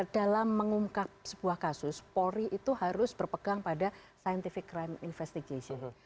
dalam mengungkap sebuah kasus polri itu harus berpegang pada scientific crime investigation